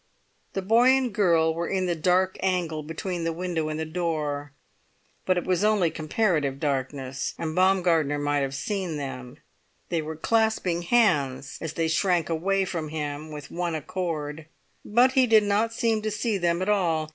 The boy and girl were in the dark angle between the window and the door; but it was only comparative darkness, and Baumgartner might have seen them; they were clasping hands as they shrank away from him with one accord. But he did not seem to see them at all.